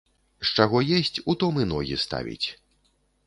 З чаго есць, у том і ногі ставіць.